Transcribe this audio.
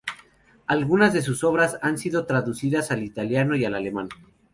Algunas de sus obras han sido traducidas al italiano y al alemán.